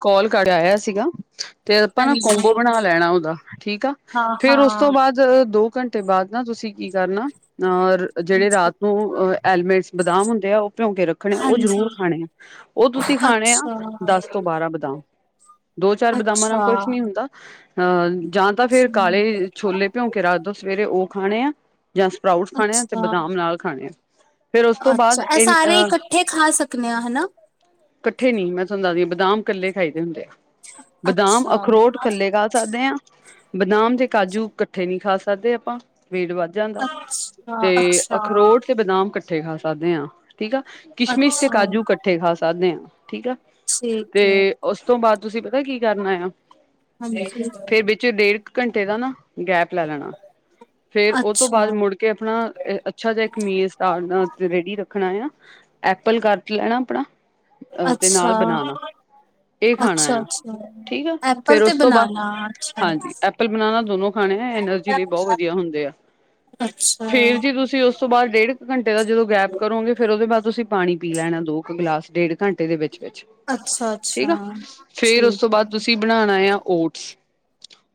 ਕੋਲ ਕਰ ਆਇਆ ਸੀਗਾ ਤੇ ਆਪਾਂ ਨਾ ਹਾਂਜੀ, ਕੌਮਬੋ ਬਣਾ ਲੈਣਾ ਉਹਦਾ ਠੀਕ ਆ ਫਿਰ ਉਸ ਹਾਂ-ਹਾਂ, ਤੋਂ ਬਾਅਦ ਦੋ ਘੰਟੇ ਤੇ ਬਾਅਦ ਨਾ ਤੁਸੀਂ ਕੀ ਕਰਨਾ ਅ ਜਿਹੜੇ ਹਾਂਜੀ, ਰਾਤ ਨੂੰ ਹੈਲਮਟ ਬਦਾਮ ਹੁੰਦੇ ਆ ਉਹ ਭਿਉ ਕੇ ਰੱਖਣੇ ਆ ਉਹ ਜ਼ਰੂਰ ਖਾਣੇ ਆ ਉਹ ਤੁਸੀਂ ਖਾਣੇ ਆ ਅੱਛਾ-ਅੱਛਾ, ਦਸ ਤੋਂ ਬਾਰਾਂ ਬਦਾਮ ਦੋ ਚਾਰ ਹੂੰ, ਬਦਾਮਾਂ ਨਾਲ ਅੱਛਾ, ਕੁਛ ਨਹੀਂ ਹੁੰਦਾ ਹਾਂ ਜਾਂ ਤਾਂ ਫਿਰ ਹਮ, ਕਾਲੇ ਛੋਲੇ ਭਿਉਂ ਕੇ ਰੱਖ ਦਿਓ ਸਵੇਰੇ ਉਹ ਖਾਣੇ ਆ ਜਾਂ ਸਪਰਾਊਟਸ ਖਾਣੇ ਆ ਤੇ ਅੱਛਾ ਬਦਾਮ ਨਾਲ ਖਾਣੇ ਆ ਫੇਰ ਉਸ ਤੋਂ ਅੱਛਾ ਬਾਅਦ ਇਹ ਸਾਰੇ ਇਕੱਠੇ ਖਾ ਸਕਦੇ ਹਨਾ ਇਕੱਠੇ ਨੀ ਮੈਂ ਤੁਹਾਨੂੰ ਦੱਸਦੀ ਬਦਾਮ ਇਕੱਲੇ ਖਾਈਦੇ ਹੁੰਦੇ ਆ ਬਦਾਮ ਅੱਛਾ, ਅਖਰੋਟ ਕਲੇ ਖਾ ਸਕਦੇ ਹਾਂ ਬਦਾਮ ਕਾਜੂ ਇਕੱਠੇ ਨੀ ਖਾ ਕਰਦੇ ਆਪਾਂ ਵੇਟ ਵੱਧ ਜਾਂਦਾ ਅੱਛਾ, ਤੇ ਅੱਛਾ, ਅਖਰੋਟ ਤੇ ਬਦਾਮ ਇਕੱਠੇ ਖਾ ਸਕਦੇ ਹਾਂ ਠੀਕ ਆ ਕਿਸਮਿਸ਼ ਤੇ ਅੱਛਾ, ਕਾਜੂ ਇਕੱਠੇ ਖਾ ਸਕਦੇ ਦੇ ਠੀਕ ਆ ਠੀਕ ਤੇ ਹੈ, ਉਸ ਤੋਂ ਬਾਅਦ ਤੁਸੀਂ ਪਤਾ ਹੈ ਕੀ ਕਰਨਾ ਆ ਹਾਂਜੀ ਫੇਰ ਵਿੱਚ ਡੇਢ ਘੰਟੇ ਦਾ ਨਾ ਗੈਪ ਲੈ ਲੈਣਾ ਫਿਰ ਉਹ ਤੋਂ ਅੱਛਾ, ਬਾਅਦ ਮੁੜ ਕੇ ਆਪਣਾ ਅੱਛਾ ਜਿਹਾ ਕਮੀਜ਼ ਤਾਰਨਾ ਰੈਡੀ ਰੱਖਣ ਐਪਲ ਕੱਟ ਲੈਣਾ ਆਪਣਾ ਅ ਤੇ ਅੱਛਾ, ਨਾਲ ਬਨਾਨਾ ਇਹ ਖਾਣਾ ਆ ਅੱਛਾ, ਠੀਕ ਆ ਐਪਲ ਫਿਰ ਤੇ ਉਸ ਤੋਂ ਬਾਅਦ ਬਨਾਨਾ ਅੱਛਾ, ਹਾਂਜੀ ਐਪਲ ਬਣਨਾ ਦੋਨੋ ਖਾਣੇ ਆ ਐਨਰਜੀ ਲਈ ਬਹੁਤ ਵਧੀਆ ਹੁੰਦੇ ਆ ਅੱਛਾ, ਫਿਰ ਚਲੋ ਜੀ ਤੁਸੀਂ ਉਸ ਤੋਂ ਬਾਅਦ ਡੇਢ ਕੁ ਘੰਟੇ ਦਾ ਜਦੋਂ ਗੈਪ ਕਰੋਗੇ ਫਿਰ ਉਹਦੇ ਬਾਅਦ ਤੁਸੀਂ ਪਾਣੀ ਪੀ ਲੈਣਾ ਦੋ ਕੁ ਗਿਲਾਸ ਡੇਢ ਘੰਟੇ ਦੇ ਵਿੱਚ ਅੱਛਾ, ਅੱਛਾ, ਠੀਕ ਆ ਫੇਰ ਉਸ ਤੋਂ ਠੀਕ ਬਾਅਦ ਹੈ, ਤੁਸੀਂ ਬਣਾਣਾ ਆ ਓਟਸ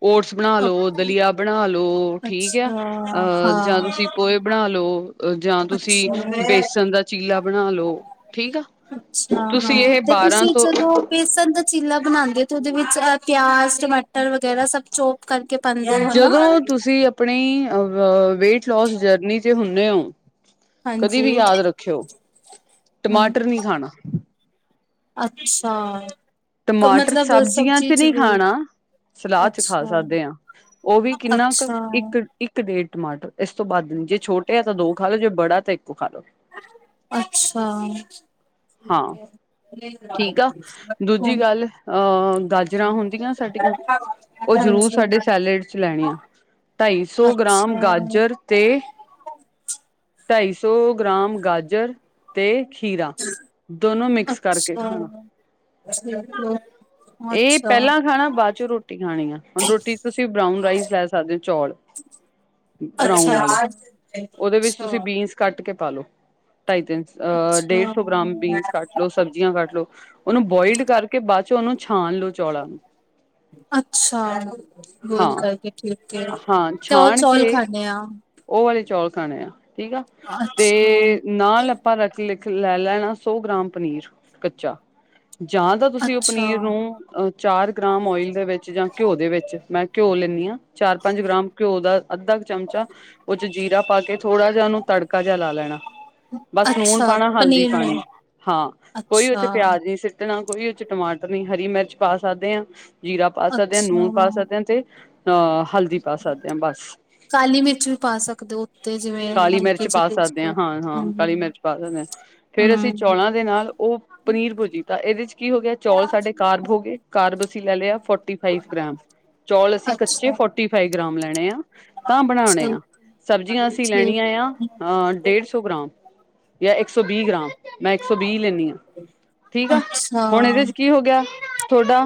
ਓਟਸ ਬਣਾ ਲੋ ਓਕੇ, ਦਲੀਆ ਬਣਾ ਲੋ ਠੀਕ ਆ ਅੱਛਾ, ਅਹ ਜਾਂ ਹਾਂ, ਤੁਸੀਂ ਪੋਹੇ ਬਣਾ ਲਓ। ਜਾਂ ਤੁਸੀਂ ਅੱਛਾ। ਬੇਸਨ ਦਾ ਚੀਲਾ ਬਣਾ ਲੋ ਠੀਕ ਆ ਅੱਛਾ ਤੁਸੀਂ ਹਾਂ ਇਹ ਤੇ ਬਾਰਾਂ ਤੁਸੀਂ ਤੋਂ ਜਦੋਂ ਬੇਸਣ ਦਾ ਚੀਲਾ ਬਣਾਉਂਦੇ ਤੇ ਉਹਦੇ ਵਿੱਚ ਪਿਆਜ ਟਮਾਟਰ ਵਗੈਰਾ ਸਭ ਚੋ ਜਦੋਂ ਤੁਸੀਂ ਆਪਣੀ ਅ ਵੇਟ ਲੋਸ ਜਰਨੀ ਤੇ ਹੁੰਦੇ ਓ ਕਦੇ ਹਾਂਜੀ ਵੀ ਯਾਦ ਰੱਖਿਓ ਹਮ ਟਮਾਟਰ ਨਹੀਂ ਖਾਣਾ ਅੱਛਾ ਟਮਾਟਰ ਮਤਲਬ ਸਬਜ਼ੀਆਂ ਸਬਜ਼ੀ ਚ ਨਹੀਂ ਵੀ ਖਾਣਾ ਸਲਾਦ ਚ ਖਾ ਅੱਛਾ ਸਕਦੇ ਹਾਂ ਉਹ ਵੀ ਕਿੰਨਾ ਕੁ ਅੱਛਾ ਇੱਕ ਇੱਕ ਡੇਢ ਟਮਾਟਰ ਇਸ ਤੋਂ ਬਾੱਧ ਨ ਜੇ ਛੋਟੇ ਆ ਤਾਂ ਦੋ ਖਾ ਲੋ ਜੇ ਬੜਾ ਤਾਂ ਇੱਕ ਅੱਛਾ ਹਾਂ ਠੀਕ ਆ ਦੂਜੀ ਗੱਲ ਅਹ ਗਾਜਰਾਂ ਹੁੰਦੀਆਂ ਸਾਡੀਆਂ ਉਹ ਜ਼ਰੂਰ ਸਾਡੇ ਸੈਲੇਡ ਚ ਲੈਣੀਆਂ ਢਾਈ ਅੱਛਾ ਸੌ ਗ੍ਰਾਮ ਅੱਛਾ ਗਾਜਰ ਤੇ ਢਾਈ ਸੌ ਗ੍ਰਾਮ ਗਾਜਰ ਤੇ ਖੀਰਾ ਦੋਨੋ ਮਿਕਸ ਕਰਕੇ ਅੱਛਾ ਅੱਛਾ ਖਾਣਾ ਇਹ ਅੱਛਾ ਪਹਿਲਾਂ ਖਾਣਾ ਬਾਅਦ ਚੋਂ ਰੋਟੀ ਖਾਣੀ ਆ ਹੁਣ ਰੋਟੀ ਤੁਸੀਂ ਬਰਾਉਨ ਰਾਈਸ ਲੈ ਸਕਦੇ ਹੋ ਚੌਲ ਬਰਾਉਨ ਵਾਲੇ ਉਹਦੇ ਵਿੱਚ ਤੁਸੀਂ ਬੀਨਸ ਕੱਟ ਕੇ ਪਾਲੋ ਢਾਈ ਤਿੰਨ ਡੇਢ ਸੌ ਗ੍ਰਾਮ ਅੱਛਾ ਬੀਨਸ ਕੱਟ ਅੱਛਾ ਲੋ ਸਬਜ਼ੀਆਂ ਕੱਟ ਲੋਓ ਉਹਨੂੰ ਬੋਇਲਡ ਬਾਅਦ ਚ ਉਹਨੂੰ ਛਾਣ ਲੋਓ ਚੌਲਾਂ ਨੂੰ ਅੱਛਾ ਬੋਇਲ ਹਾਂ ਕਰਕੇ ਠੀਕ ਹਾਂ ਤੇ ਉਹ ਛਾਣ ਚੌਲ ਖਾਂਦੇ ਆ। ਖਾਣਿਆ ਠੀਕ ਆ ਅੱਛਾ ਤੇ ਨਾਲ ਆਪਾਂ ਰੱਖ ਲ ਲੈ ਲੈਣਾ ਸੌ ਗ੍ਰਾਮ ਪਨੀਰ ਕੱਚਾ ਜਾਂ ਤਾਂ ਤੁਸੀਂ ਉਹ ਅੱਛਾ ਪਨੀਰ ਨੂੰ ਚਾਰ ਗ੍ਰਾਮ ਓਇਲ ਦੇ ਵਿੱਚ ਜਾਂ ਘਿਓ ਦੇ ਵਿੱਚ ਮੈਂ ਘਿਓ ਲ [unintelligible] ਚਾਰ ਪੰਜ ਗ੍ਰਾਮ ਘਿਓ ਦਾ ਅੱਧਾ ਕੁ ਚਮਚਾ ਉਹ ਚ ਜੀਰਾ ਪਾ ਕੇ ਥੋੜਾ ਜਿਹਾ ਉਹਨੂੰ ਤੜਕਾ ਜਿਹਾ ਲਾ ਲੈਣਾ। ਬਸ ਲੂਣ ਅੱਛਾ ਪਾਉਣਾ ਹਲਦੀ ਪਨੀਰ ਪਾਉਣੀ ਨਹੀਂ ਹਾਂ ਕੋਈ ਉਹ ਅੱਛਾ ਚ ਪਿਆਜ ਨਹੀਂ ਸੀ ਨਾ ਕੋਈ ਉਹ ਚ ਟਮਾਟਰ ਨ ਹਰੀ ਮਿਰਚ ਪਾ ਸਕਦੇ ਹਾਂ ਜੀਰਾ ਪਾ ਸਕਦੇ ਹ ਅੱਛਾ ਲੂਣ ਪਾ ਸਕਦੇ ਹਾਂ ਤੇ ਅ ਹਲ ਦੀ ਪਾ ਸਕਦੇ ਹਾਂ ਬਸ ਕਾਲੀ ਮਿਰਚ ਵੀ ਪਾ ਸਕਦੇ ਹੋ ਉੱਤੇ ਜਿਵੇਂ ਕਾਲੀ ਮਿਰਚ ਹਲਕੇ ਪਾ ਜਿਹੇ ਟੇਸਟ ਸਕਦੇ ਤੇ। ਹਾਂ ਹਾਂ ਹਾਂ, ਹਾਂਜੀ ਕਾਲੀ ਮਿਰਚ ਪਾ ਸਕਦੇ ਹਾਂ ਫੇਰ ਅਸੀਂ ਹੂੰ ਚੌਲਾਂ ਦੇ ਨਾਲ ਉਹ ਪਨੀਰ ਭੁਜੀ ਇਹਦੇ ਚ ਕੀ ਹੋ ਗਿਆ ਚੌਲ ਸਾਡੇ ਕਾਰਬ ਹੋ ਗਏ ਕਾਰਬ ਤੁਸੀਂ ਲੈ ਲਿਆ। ਫੋਰਟੀ ਫਾਈਵ ਗ੍ਰਾਮ ਚੌਲ ਅਸੀਂ ਕੱਚੇ ਅੱਛਾ ਫੋਰਟੀ ਫਾਇਵ ਗ੍ਰਾਮ ਲੈਣੇ ਆ ਤਾਂ ਬਣਾਣੇ ਆ ਠੀਕ ਸਬਜ਼ੀਆਂ ਅਸੀਂ ਠੀਕ ਲੈਣੀਆਂ ਆ ਅ ਡੇਢ ਸੌ ਗ੍ਰਾਮ। ਯਾ ਇੱਕ ਸੌ ਵੀਹ ਗ੍ਰਾਮ ਮੈਂ ਇੱਕ ਸੌ ਵੀਹ ਲੈਂਨੀ ਆ ਅੱਛਾ ਹੁਣ ਏਦੇ ਚ ਕੀ ਹੋ ਗਿਆ [inaudible] ਥੋਡਾ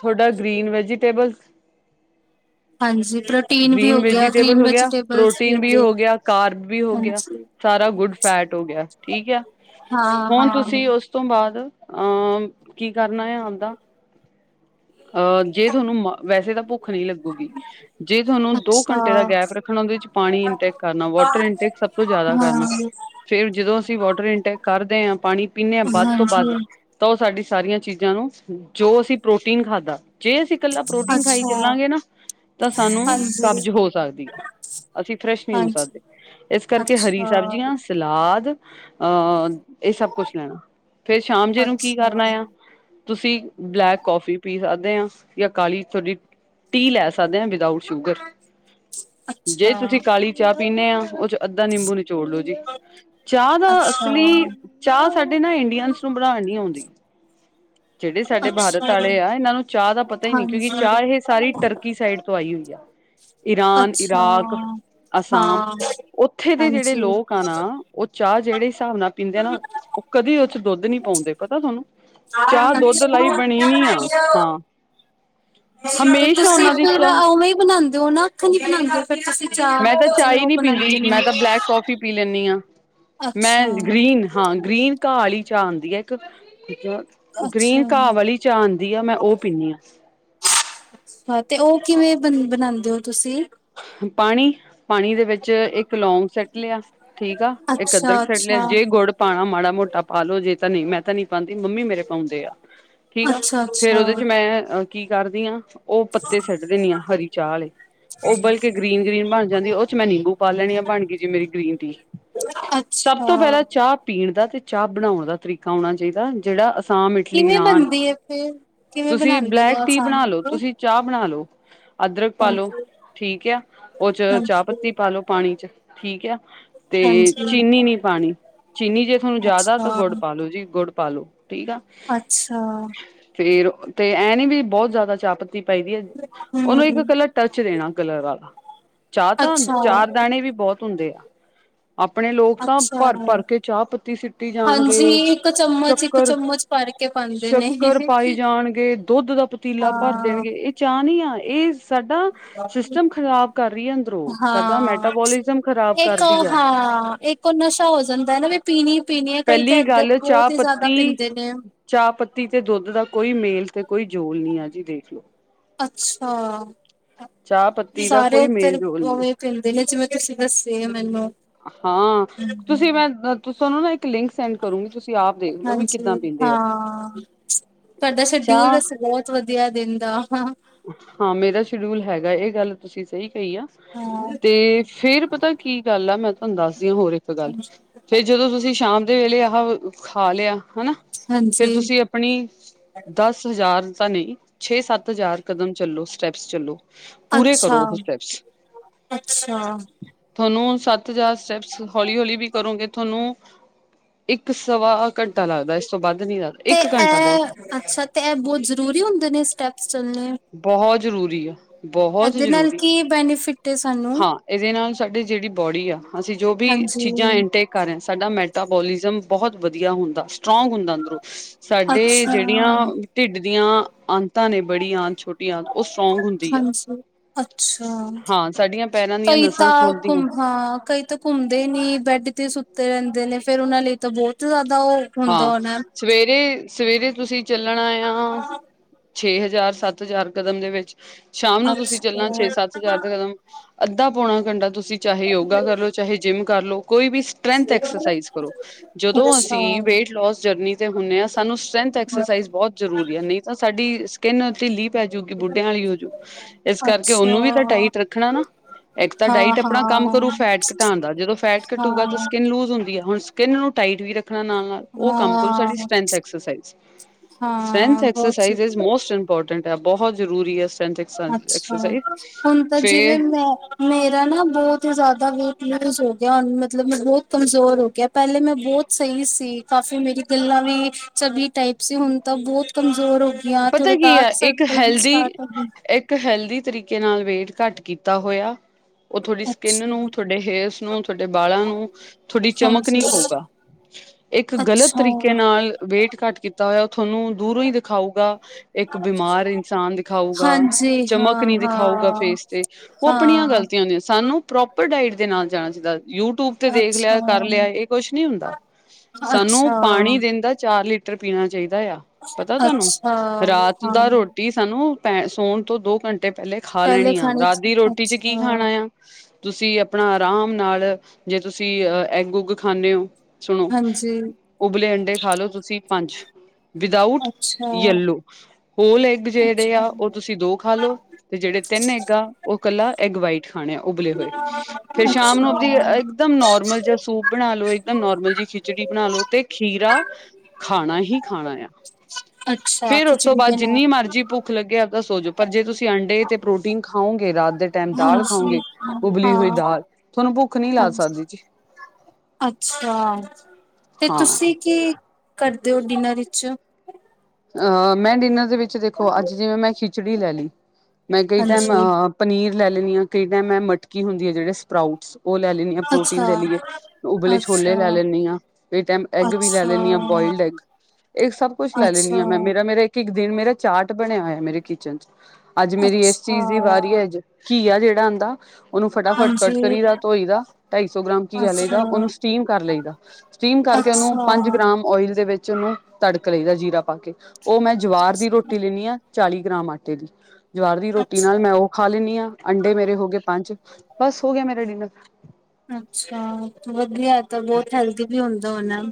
ਥੋਡਾ ਗ੍ਰੀਨ ਵੈਜੀਟੇਬਲਜ ਹਾਂਜੀ ਪ੍ਰੋਟੀਨ ਵੀ ਗ੍ਰੀਨ ਹੋ ਗਿਆ ਵੇਜੀਟੇਬਲ ਗ੍ਰੀਨ ਹੋ ਗਿਆ ਵੈਜੀਟੇਬਲਸ ਪ੍ਰੋਟੀਨ ਵੀ ਗਏ ਹੋ ਗਿਆ ਕਾਰਬ ਵੀ ਹੋ ਗਿਆ ਹਾਂਜੀ ਸਾਰਾ ਗੁੱਡ ਫੈਟ ਹੋ ਗਿਆ ਠੀਕ ਐ ਹਾਂ ਹੁਣ ਤੁਸੀਂ ਹਾਂ ਉਸ ਤੋਂ ਬਾਅਦ ਅਹ ਕੀ ਕਰਨਾ ਆ ਆਦਾ ਅਹ ਜੇ ਥੋਨੂੰ ਵੈਸੇ ਤਾਂ ਭੁੱਖ ਨੀ ਲੱਗੂਗੀ ਜੇ ਥੋਨੂੰ ਦੋ ਅੱਛਾ ਘੰਟੇ ਦਾ ਗੈਪ ਰੱਖਣਾ ਓਦੇ ਵਿੱਚ ਪਾਣੀ ਇਨਟੇਕ ਕਰਨਾ ਵਾਟਰ ਇਨਟੇਕ ਸਭ ਤੋਂ ਜਾਦਾ ਕਰਨਾ ਹਾਂ ਫੇਰ ਜਦੋਂ ਅਸੀਂ ਵਾਟਰ ਇਨਟੇਕ ਕਰਦੇ ਆ ਪਾਣੀ। ਪੀਂਨੇ ਆ ਵੱਧ ਤੋਂ ਵੱਧ ਹਾਂਜੀ, ਤਾਂ ਓ ਸਾਡੀ ਸਾਰੀਆਂ ਚੀਜ਼ਾਂ ਨੂੰ ਜੋ ਅਸੀਂ ਪ੍ਰੋ ਟੀਨ ਖਾਧਾ ਜੇ ਅਸੀਂ ਇਕੱਲਾ ਪ੍ਰੋਟੀਨ ਖਾਈ ਅੱਛਾ, ਚੱਲਾਂਗੇ ਨਾ ਤਾਂ ਸਾਨੂੰ ਹਾਂਜੀ, ਕਬਜ਼ ਹੋ ਸਕਦੀ ਆ ਅਸੀਂ ਫਰੈਸ਼ ਨੀ ਹੋ ਸਕਦੇ ਹਾਂਜੀ। ਇਸ ਕਰਕੇ ਹਰੀ ਅੱਛਾ, ਸਬਜ਼ੀਆਂ ਸਲਾਦ ਅ ਏ ਸਭ ਕੁਛ ਲੈਣਾ ਫੇਰ ਸ਼ਾਮ ਜੇ ਨੂੰ ਕੀ ਅੱਛਾ, ਕਰਨਾ ਆ ਤੁਸੀਂ ਬਲੈਕ ਕੌਫੀ ਪੀ ਸਕਦੇ ਐ ਜਾਂ ਕਾਲੀ ਥੋਡੀ ਟੀ ਲੈ ਸਕਦੇ ਆ ਵਿਦਆਊਟ ਸ਼ੂਗਰ ਜੇ ਅੱਛਾ, ਤੁਸੀਂ ਕਾਲੀ ਚਾਹ ਪੀਂਨੇ ਹਾਂ ਉ ਚ ਅੱਧਾ ਨਿੰਬੂ ਨਿਚੋੜ ਲਓ ਜੀ ਚਾਹ ਦਾ ਅੱਛਾ, ਅਸਲੀ ਚਾਹ ਸਾਡੇ ਨਾ ਇੰਡੀਅਨਸ ਨੂੰ ਬਣਾਨੀ ਨੀ ਓਂਦੀ ਜੇੜ੍ਹੇ ਸਾਡੇ ਅੱਛਾ, ਬਾਰਤ ਆਲੇ ਆ ਚਾਹ ਦਾ ਪਤਾ ਈ ਨੀ ਕਿਉਂਕਿ ਚਾਹ ਹਾਂਜੀ, ਇਹ ਸਾਰੀ ਤਰਕੀ ਸਾਈਡ ਤੋਂ ਆਈ ਆ ਈਰਾਨ, ਅੱਛਾ। ਇਰਾਕ, ਅਸਾਮ ਹਾਂ, ਓਥੇ ਦੇ ਜੇੜ੍ਹੇ ਹਾਂਜੀ, ਲੋਕ ਆ ਨਾ ਓ ਚਾਹ ਜੇੜ੍ਹੇ ਹਿਸਾਬ ਨਾਲ ਪੀਂਦੇ ਆ ਨਾ ਓ ਕਦੀ ਉਚ ਦੁੱਧ ਨੀ ਪਾਉਂਦੇ ਪਤਾ ਥੋਨੂੰ ਚਾਹ ਦੁੱਧ ਲਈ ਬਣੀ ਨੀ ਅੱਛਾ। ਆ ਤੇ ਹਮੇਸ਼ਾ ਤੁਸੀਂ ਉਹਨਾਂ ਦੀ ਫਿਰ ਚਾਹ ਓਵੇਂ ਈ ਬਣਾਦੇ ਓ ਨਾ ਅੱਖਾਂ ਨ ਬਣਾਦੇ ਮੈਂ ਤਾਂ ਚਾਹ ਈ ਨੀ ਪੀਂਦੀ ਮੈਂ ਨੇ ਤਾਂ ਬਲੈਕ ਕੌਫੀ ਪੀ ਲੈਂਨੀ ਆ ਮੈਂ ਅੱਛਾ, ਗ੍ਰੀਨ ਹਾਂ ਗ੍ਰੀਨ ਕਾਲੀ ਚਾਹ ਆਂਦੀ ਐ ਇੱਕ ਅੱਛਾ, ਗ੍ਰੀਨ ਘਾਹ ਅੱਛਾ ਵਾਲੀ ਚਾਹ ਆਂਦੀ ਐ ਮੈਂ ਓ ਪੀਨੀ ਆ ਤੇ ਉਹ ਕਿਵੇਂ ਬ ਬਣਾਉਂਦੇ ਹੋ ਤੁਸੀਂ ਪਾਣੀ ਪਾਣੀ ਦੇ ਵਿੱਚ ਇੱਕ ਲੋਂਂਗ ਸੱਟ ਲਿਆ ਠੀਕ ਆ ਇਕ ਅੱਛਾ, ਅਦਰਕ ਸੱਟ ਲਿਆ ਅੱਛਾ, ਜੇ ਗੁੜ ਪਾਉਣਾ ਮਾੜਾ ਝੋਟਾ ਪਾਲ ਲੋ ਜੇ ਤਾਂ ਨਹੀਂ ਮੈਂ ਤਾਂ ਨਹੀਂ ਪਾਉਦੀ ਮੰਮੀ ਮੇਰੇ ਪਾਉਂਦੇ ਆ ਠੀਕ ਆ ਅੱਛਾ, ਫੇਰ ਉਹਦੇ ਅੱਛਾ। ਚ ਮੈਂ ਕੀ ਕਰਦੀ ਹਾਂ ਉਹ ਪੱਤੇ ਛੱਡਦੇ ਨੇ ਆ ਹਰੀ ਚਾਹ ਵਾਲੇ ਉਬਲ ਕੇ ਗ੍ਰੀਨ ਗ੍ਰੀਨ ਬਣ ਜਾਂਦੀ ਉਹ ਚ ਮੈਂ ਨਿੰਬੂ ਪਾ ਲੈਣੀ ਆ ਬਣ ਗਈ ਜੀ ਮੇਰੀ ਗ੍ਰੀਨ ਟੀ ਸਭ ਤੋਂ ਅੱਛਾ, ਪਹਿਲਾਂ ਚਾਹ ਪੀ ਦਾ ਤੇ ਚਾਹ ਬਣਾਉਣ ਦਾ ਤਰੀਕਾ ਹੋਣਾ ਚਾਹੀਦਾ ਜਿਹੜਾ ਸਾਂ ਇਟਲੀ ਕਿਵੇਂ ਨਾਨ ਬਣਦੀ ਹੈ ਫਿਰ? ਕਿਵੇਂ ਤੁਸੀਂ ਬਣਾਉਂਦੇ ਨੇ ਬਲੈਕ ਉਹ ਟੀ ਬਣਾ ਲੋ ਸਾਂਬਰ? ਤੁਸੀਂ ਚਾਹ ਬਣਾ ਲ ਲੋ ਅਦਰਕ ਪਾ ਲੋ ਹਾਂਜੀ, ਠੀਕ ਆ ਉਹ ਚ ਚਾਹ ਹਾਂਜੀ, ਪੱਤੀ ਪਾਾਲੋ ਪਾਣੀ ਚ ਠੀਕ ਹੈ ਤੇ ਹਾਂਜੀ। ਚੀਨੀ ਨੀ ਪਾਉਣੀ ਚੀਨੀ ਜੇ ਤੁਹਾਨੂੰ ਜ਼ਿਆਦਾ ਤਾਂ ਅੱਛਾ, ਗੁੜ ਪਾ ਲੋ ਜੀ ਗੁੜ ਪਾਾਲੋ ਠੀਕ ਆ ਅੱਛਾ, [unintelligible] ਫੇਰ ਤੇ ਐ ਨੀ ਵੀ ਬਹੁਤ ਜ਼ਿਆਦਾ ਚਪ ਪਾਈ ਦੀ ਹੈ ਉਹਨੂੰ ਇੱਕ ਹਮ, ਕਲ ਟੱਚ ਦੇਣਾ ਕਲਰ ਵਾਲਾ ਚਾਹ ਤਾਂ ਅੱਛਾ। ਚਾਰ ਦਾਣੇ ਵੀ ਬਹੁਤ ਹੁੰਦੇ ਆ ਆਪਣੇ ਲੋਕ ਤਾਂ ਅੱਛਾ, ਭਰ ਭਰ ਕੇ ਚਾਹ ਪੱਤੀ ਸਿੱਟੀ ਜਾਣਗੇ ਹਾਂਜੀ ਇੱਕ ਚਮਚ, ਇੱਕ ਸ਼ੱਕਰ ਚਮਚ ਭਰ ਕੇ ਪਾਉਂਦੇ ਨੇ। ਸ਼ੱਕਰ ਪਾਈ ਜਾਣਗੇ ਦੁੱਧ ਦਾ ਪਤੀਲਾ ਭਰ ਹਾਂ, ਦੇਣਗੇ ਇਹ ਚਾਹ ਨੀ ਆਏ ਇਹ ਸਾਡੇ ਸਿਸਟਮ ਖਰਾਬ ਕਰ ਰਹੀ ਹੈ ਅੰਦਰੋਂ ਸਾਡ ਹਾਂ। ਮੈਟਾਬੋਲਿਜ਼ਮ ਖਰਾਬ ਕਰਦੀ ਆ ਕੋਈ ਨਸ਼ਾ ਹੋ ਜਾਂਦਾ ਹੈ ਨਾ ਵੀ ਪੀਣੀ ਪੀਣੀ ਹੈ, ਕਈ ਤਾਂ ਪਹਿਲੀ ਇੱਧਰ ਗੱਲ ਚਾਹ ਬਹੁਤ ਹੀ ਜ਼ਿਆਦਾ ਪੱਤੀ ਪੀਂਦੇ ਨੇ। ਚਾਹ ਪੱਤੀ ਤੇ ਦੁੱਧ ਦਾ ਕੋਈ ਮੇਲ ਤੇ ਕੋਈ ਜੋਲ ਨਹੀਂ ਆ ਜੀ ਦੇਖਲੋ ਅੱਛਾ ਚਾਹ ਪੱਤੀ ਦਾ ਸਾਰੇ ਕੋਈ ਮੇਲ ਉੱਧਰ ਜੋਲ ਨੀ ਉਵੇਂ ਪੈਂਦੇ ਨੇ ਜਿਵੇਂ ਤੁਸੀਂ ਦੱਸੇ ਮੈਨੂੰ ਹਾਂ ਤੁਸੀਂ ਮੈਂ ਤਾਨੂੰ ਨਾ ਇੱਕ ਲਿੰਕ ਸੈਂਡ ਕਰੋ ਤੁਸੀਂ ਆਪ ਦੇਖ ਲਓ ਵੀ ਕਿੱਦਾਂ ਹਾਂਜੀ ਪੀਂਦੇ ਆ ਹਾਂ ਤੁਹਾਡਾ ਸ਼ਡਿਊਲ ਚਾਹ ਵੈਸੇ ਬਹੁਤ ਵਧੀਆ ਦਿਨ ਦਾ ਹਾਂ ਹਾਂ ਮੇਰਾ ਸ਼ਡਿਊਲ ਹੈਗਾ, ਇਹ ਗੱਲ ਤੁਸੀਂ ਸਹੀ ਪਈ ਆ ਤੇ ਫੇਰ ਪਤਾ ਕਿ ਗਲ ਆ ਹੁੰਦਾ- ਏ ਹੋਰ ਇੱਕ ਗੱਲ, ਫੇਰ ਜਦੋਂ ਤੁਸੀਂ ਸ਼ਾਮ- ਉਠਦੇ ਵੇਲੇ ਆਹ ਖਾ ਲਿਆ ਹੈਨਾ ਫੇਰ ਹਾਂਜੀ ਤੁਸੀਂ ਆਪਣੀ ਦਸ ਹਜ਼ਾਰ ਪਤਾ ਨਹੀਂ ਛੇ ਸੱਤ ਹਜ਼ਾਰ ਕਦਮ ਚੱਲੋ ਸਟੈਪਸ ਚੱਲੋ ਪੂਰੇ ਅੱਛਾ ਕਰੋ ਉਹ ਸਟੈਪਸ ਅੱਛਾ- ਤੁਹਾਨੂੰ ਸੱਤ ਹਜ਼ਾਰ ਸਟੈਪਸ ਹੌਲੀ ਹੌਲੀ ਵੀ ਕਰੋਂਗੇ ਤੁਹਾਨੂੰ ਇੱਕ ਸਵਾ ਘੰਟਾ ਲੱਗਦਾ ਇਸ ਤੋਂ ਵੱਧ ਨੀ ਲੱਗਦਾ ਤੇ ਇੱਕ ਘੰਟਾ ਇਹ ਬਹੁਤ ਅੱਛਾ ਤੇ ਇਹ ਬਹੁਤ ਜ਼ਰੂਰੀ ਹੁੰਦੇ ਨੇ ਸਟੈਪਸ ਚੱਲਣੇ ਬਹੁਤ ਜ਼ਰੂਰੀ ਆ, ਬਹੁਤ ਇਹਦੇ ਨਾਲ ਜ਼ਰੂਰੀ, ਕੀ ਬੈਨੀਫਿਟ ਹੈ ਸਾਨੂੰ ਹਾਂ ਇਹਦੇ ਨਾਲ ਸਾਡੀ ਜਿਹੜੀ ਬੋਡੀ ਆ ਅਸੀਂ ਜੋ ਵੀ ਚੀਜ਼ਾਂ ਹਾਂਜੀ ਇਨਟੇਕ ਕਰ ਰਹੇ ਹਾਂ ਸਾਡਾ ਮੈਟਪ ਬੋਲਿਜ਼ਮ ਬਹੁਤ ਵਧੀਆ ਹੁੰਦਾ ਸਟਰੋਂਗ ਹੁੰਦਾ ਅੰਦਰੋਂ ਸਾਡੇ ਅੱਛਾ ਜਿਹੜੀਆਂ ਢਿੱਡ ਦੀਆਂ ਐਂਟੜ ਆਂਤਾ ਨੇ ਬੜੀ ਆ ਛੋਟੀ ਆਂਤ ਉਹ ਸਟਰੋਂਗ ਹੁੰਦੀ ਆ ਹਾਂਜੀ ਅੱਛਾ ਹਾਂ ਸਾਡੀਆਂ ਪੈਰਾਂ ਦੀਆਂ ਕਈ ਨਸਾਂ ਤਾਂ ਖੋਲਦੀਆਂ ਘੁਮ ਹਾਂ, ਕਈ ਤਾਂ ਘੁੰਮਦੇ ਨੀ ਬੈਡ ਤੇ ਤੇ ਰਹਿੰਦੇ ਨੇ ਫੇਰ ਉਹਨਾਂ ਲਈ ਤਾਂ ਬਹੁਤ ਜ਼ਿਆਦਾ ਉਹ ਹਾਂ ਹੁੰਦਾ ਹੋਣਾ ਸਵੇਰੇ ਸਵੇਰੇ ਤੁਸੀਂ ਚੱਲਣਾ ਆ ਛੇ ਹਜ਼ਾਰ ਸੱਤ ਹਜ਼ਾਰ ਕਦਮ ਦੇ ਵਿੱਚ ਸ਼ਾਮ ਨੂੰ ਤੁਸੀਂ ਚੱਲਣਾ ਛੇ ਅੱਛਾ ਸੱਤ ਹਜ਼ਾਰ ਦੇ ਕਦਮ ਅੱਧਾ ਪਾਉਣਾ ਘੰਟਾ ਤੁਸੀਂ ਤੁਸੀਂ ਚਾਹੇ ਯੋਗਾ ਕਰਲੋ ਚਾਹੇ ਜਿੰਮ ਕਰ ਲੋ ਕੋਈ ਵੀ ਸਟਰੈਂਥ ਐਕਸਰਸਾਈਜ਼ ਕਰੋ ਜਦੋਂ ਅੱਛਾ ਅਸੀਂ ਲੋਸ ਜਰਨੀ ਤੇ ਹੁੰਦੇ ਹਾਂ ਸਾਨੂੰ ਸਟਰੈਂਥ ਐਕਸਰਸਾਈਜ਼ ਬਹੁਤ ਜ਼ਰੂਰੀ ਹੈ ਨਹੀਂ ਤਾਂ ਸਾਡੀ ਸਕਿੰਨ ਉਤੇ ਲੀਪ ਪੈ ਜਾੂਗੀ ਬੁੱਢਿਆਂ ਵਾਲੀ ਹੋਜੂ ਇਸ ਕਰਕੇ ਅੱਛਾ ਉਹਨੂੰ ਵੀ ਤਾਂ ਟਾਈਟ ਰੱਖਣਾ ਨਾ, ਇੱਕ ਤਾਂ ਹਾਂ ਡਾਈਟ ਆਪਣਾ ਕੰਮ ਕਰੋ ਹਾਂ ਫੈਟ ਘਟਾਉਣ ਦਾ ਜਦੋਂ ਫੈਟ ਘਟੂਗਾ ਤਾਂ ਹਾਂ ਸਕਿੰਨ ਲੂਜ ਹੁੰਦੀ ਹੈ, ਹੁਣ ਸਕਿੰਨ ਨੂੰ ਟਾਈਟ ਵੀ ਰੱਖਣਾ ਨਾਲ ਨਾਲ ਉਹ ਕੰਮ ਕਰੋ ਸਾਡੀ ਹਾਂ ਸਟਰੈਂਥ ਅਸਰਸਾਈ ਸਟਰੈਂਥ ਹਾਂ ਅਸਰਸਾਈ ਬਹੁਤ ਮੋਸਟ ਇੰਪੋਰਟੈਂਟ ਟੈਂਟ ਬਹੁਤ ਜ਼ਰੂਰੀ ਹੈ। ਅੱਛਾ ਐਕਸਰਸਾਈਜ਼ ਹੁਣ ਤਾਂ ਫੇਰ ਜਿਵੇਂ ਮੈਂ ਮੇਰਾ ਨਾ ਬਹੁਤ ਹੀ ਜ਼ਿਆਦਾ ਦਾ ਵੇਟ ਲੂਜ ਹੋ ਗਿਆ ਮਤਲਬ ਮੈਂ ਬਹੁਤ ਕਮਜ਼ੋਰ ਹੋ ਗਿਆ ਪਹਿਲੇ ਮੈਂ ਬਹੁਤ ਸਹੀ ਸੀ ਕਾਫੀ ਮੇਰੀ ਗੱਲਾਂ ਵੀ ਚਵੀ ਟਾਈਪ ਸੀ ਹੁਣ ਤਾਂ ਬਹੁਤ ਕਮਜ਼ੋਰ ਗਈਆਂ ਪਤਾ ਥੋੜੇ ਕੀ ਆ ਡਾਰਕ ਇੱਕ ਸਰਕਲ ਵੀ ਹੈਲਦੀ ਸਟਾਰਟ ਹੋ ਗਏ। ਇੱਕ ਇੱਕ ਹੈਲਦੀ ਤਰੀਕੇ ਨਾਲ ਵੇਟ ਘੱਟ ਕੀਤਾ ਹੋਇਆ। ਉਹ ਤੁਹਾਡੀ ਸਕਿੰਨ ਅੱਛਾ ਨੂੰ ਤੁਹਾਡੇ ਹੇਅਰਸ ਨੂੰ ਤੁਹਾਡੇ ਬਾਲਾਂ ਨੂੰ ਤੁਹਾਡੀ ਚਮਕ ਨਹੀਂ ਹਾਂਜੀ ਖਾਊਗਾ ਇੱਕ ਗਲਤ ਅੱਛਾ ਤਰੀਕੇ ਨਾਲ ਵੇਟ ਘੱਟ ਕੀਤਾ ਹੋਇਆ ਉਹ ਤੁਹਾਨੂੰ ਦੂਰੋਂ ਹੀ ਦਿਖਾਊ ਇੱਕ ਬਿਮਾਰ ਇਨਸਾਨ ਦਿਖਾਊਗਾ ਹਾਂਜੀ ਚਮਕ ਹਾਂ ਨੀ ਦਿਖਾਊਗਾ ਹਾਂ ਫੇਸ ਤੇ ਉਹ ਆਪਣੀਆਂ ਹਾਂ ਗ਼ਲਤੀਆਂ ਹੁੰਦੀਆਂ ਸਾਨੂੰ ਪ੍ਰੋਪਰ ਡਾਇਟ ਦੇ ਨਾਲ ਜਾਣਾ ਚਾਹੀਦਾ ਯੂਟਿਊਬ ਤੇ ਦੇਖ ਅੱਛਾ ਲਿਆ ਕਰ ਲਿਆ ਇਹ ਕੁਛ ਨੀ ਹੁੰਦਾ ਸਾਨੂੰ ਅੱਛਾ ਪਾਣੀ ਦਿੰਦਾ ਚਾਰ ਲੀਟਰ ਤਰ ਪੀਣਾ ਚਾਹੀਦਾ ਪਤਾ ਤੁਹਾਨੂੰ ਅੱਛਾ ਰਾਤ ਹਾਂ ਦਾ ਰੋਟੀ ਸਾਨੂੰ ਪੈ ਸੋਣ ਤੋਂ ਦੋ ਘੰਟੇ ਪਹਿਲੇ ਖਾ ਪਹਿਲੇ ਲੈਣੀ ਆ ਖਾਣੇ ਰਾਤ ਚ ਦੀ ਰੋਟੀ ਚ ਕੀ ਅੱਛਾ ਖਾਣਾ ਆ ਤੁਸੀਂ ਆਪਣਾ ਆਰਾਮ ਨਾਲ ਜੇ ਤੁਸੀਂ ਐਗ ਉੱਗ ਖਾਂਦੇ ਹੋ। ਸੁਣੋ ਹਾਂਜੀ ਉਬਲੇ ਅੰਡੇ ਖਾ ਲੋ ਤੁਸੀਂ ਪੰਜ। ਵਿਦਊਟ ਅੱਛਾ ਯੈਲੋ ਹੋਲ ਐਗ ਜਿਹੜੇ ਅੱਛਾ ਆ ਉਹ ਤੁਸੀਂ ਦੋ ਖਾ ਲਓ ਤੇ ਜਿਹੜੇ ਤਿੰਨ ਐਗ ਆ ਉਹ ਇਕੱਲਾ ਐਗ ਵਾਈਟ। ਖਾਣੇ ਆ ਉਬਲੇ ਹੋਏ ਫੇਰ ਸ਼ਾਮ ਨੂੰ ਅੱਛਾ। ਆਪਦੀ ਇਕਦਮ ਨੋਰਮਲ ਜ ਸੂਪ ਬਣਾ ਲੋਓ ਨੋਰਮਲ ਜਿਹੀ ਖਿਚੜੀ ਬਣਾ ਲੋ ਤੇ ਖੀਰਾ ਖਾਣਾ ਹੀ ਖਾਣਾ ਆ। ਅੱਛਾ ਫੇਰ ਉਸ ਤੋਂ ਖਿਚੜੀ ਬਾਅਦ ਦੇ ਨਾਲ ਜਿੰਨੀ ਮਰਜ਼ੀ ਭੁੱਖ ਲੱਗੇਿਆ ਆਪ ਤਾਂ ਸੋਚ ਪਰ ਜੇ ਤੁਸੀਂ ਤੁਸੀਂ ਅੰਡੇ ਤੇ ਪ੍ਰੋਟੀਨ ਖਾਓਗੇ ਰਾਤ ਦੇ ਟਾਈਮ ਦਾਲ ਹਾਂਜੀ ਖਾਓਗੇ ਉਬਲੀ ਹਾਂ। ਹੋਈ ਦਾਲ ਤੁਹਾਨੂੰ ਭੁੱਖ ਨਹੀਂ ਲਾ ਹਾਂਜੀ ਸਕਦੀ ਜੀ ਹੈ। ਅੱਛਾ ਤੇ ਤੁਸੀਂ ਕੀ ਕਰਦੇ ਹੋ ਡਿਨਰ ਵਿੱਚ ਅਹ ਮੈਂ ਡਿਨਰ ਦੇ ਵਿੱਚ ਦੇਖੋ ਅੱਜ ਜਿਵੇਂ ਮੈਂ ਖਿੱਚ ਚੜੀ ਲੈ ਲਈ ਮੈਂ ਕਈ ਟਾਈਮ ਹਾਂਜੀ ਅ ਪਨੀਰ ਲੈ ਲੈਂਦੀ ਹਾਂ ਕਈ ਟਾਈਮੈਂ ਮਟਕੀ ਹੁੰਦੀ ਆ ਜਿਹੜੇ ਸਪਰਾਊਟਸ ਉਹ ਲੈ ਲੈਦੀ ਆ ਪ੍ਰੋਟੀਨ ਅੱਛਾ। ਦੇ ਲ ਲਈ ਉਬਲੇ ਛੋਲੇ ਲੈ ਅੱਛਾ ਲੈਦੀ ਆਾਂ ਇਹ ਟਮ ਐੱਗ ਵੀ ਅੱਛਾ ਲੈੈਂਦੀ ਹਾਂ ਬੋਆਇਲਡ ਐਗ ਇਹ ਸਭ ਕੁਛ ਲੈ ਅੱਛਾ। ਲੈਂਦੀ। ਮੈਂ ਮੇਰਾ ਮੇਰਾ ਇੱਕ ਦਿਨ ਮੇਰਾ ਚਾਰਟ ਬਣਿਆ ਹੋਇਆ ਮੇਰੇ ਕਿਚਨ ਚ ਅੱਜ ਮੇਰੀ ਇਸ ਅੱਛਾ ਚੀਜ਼ ਦੀ ਵਾਰੀ ਹੈ ਅੱਜ ਘ ਆ ਜਿਹੜੀ ੜ ਹੁੰਦਾ ਉਹਨੂੰ ਫਟਾਫਟ ਕਟ ਹਾਂਜੀ ਕਰੀ ਦਾ ਧੋਈ ਦਾ ਢਾਈ ਸੌ ਗ੍ਰਾਮ ਕੀ ਕਹਿ ਅੱਛਾ ਲਈਦਾ ਉਹਨੂੰ ਸਟੀਮ ਕਰ ਲਈ ਦਾ ਸਟੀਮ ਕਰਕੇ ਉਹਨੂੰ ਅੱਛਾ। ਪੰਜ ਗ੍ਰਾਮ ਓਇਲ ਦੇ ਵਿੱਚ ਉਹਨੂੰ ਤੜਕ ਲਈਦਾ ਜੀਰਾ ਪਾ ਉਹ ਮੈਂ ਜਵਾਰ ਦੀ ਰੋਟੀ ਲੈਦੀ ਆਾਂ ਚਾਲੀ ਗ੍ਰਾਮ ਆਟੇ ਦੀ ਜਵਰ ਦੀ ਰੋਟੀ ਨਾਲ ਅੱਛਾ। ਮੈਂ ਉਹ ਖਾ ਲੈਂਦੀ ਹਾਂ ਅੰਡੇ ਮੇਰੇ ਹੋ ਗਏ ਪੰਜ ਬਸ ਹੋ ਗਿਆ ਮੇਰਾ ਡਿਨਰ ਅੱਛਾ ਵਧੀਆ ਤਾਂ ਬਹੁਤ ਹੈਲਦੀ ਵੀ ਹੁੰਦਾ ਉਹਨਾਂ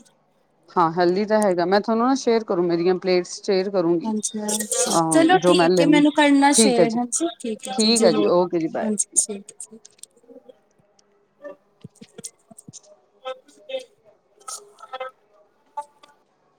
ਹਾਂ ਹਲਦੀ ਤਾਂ ਹੈਗਾ ਮੈਂ ਤੁਹਾਨੂੰ ਨਾ ਸ਼ੇਅਰ ਕਰੋ ਮੇਰੀਆਂ ਪਲੇਟਸ ਸ਼ੇਅਰ ਕਰੂੰਗੀ ਹਾਂਜੀ ਹਾਂ ਚਲੋ ਜੋ ਮੈਂ ਠੀਕ ਲੈਂਦੀ ਮੈਨੂੰ ਕਰਨਾ ਠੀਕ ਹੈ ਸ਼ੇਰ ਜੀ ਹਾਂਜੀ ਠੀਕ ਹੈ ਜੀ ਜ਼ਰੂਰ ਹਾਂਜੀ ਠੀਕ ਜ ਹ